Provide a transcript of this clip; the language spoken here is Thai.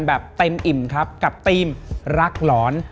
แบบเต็มอิ่มครับกับทีมรักหลอน